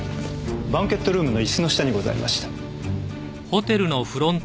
バンケットルームの椅子の下にございました。